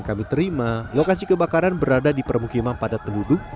setelah diterima lokasi kebakaran berada di permukiman padat penduduk